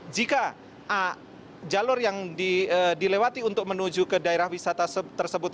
jika jalur yang dilewati untuk menuju ke daerah wisata tersebut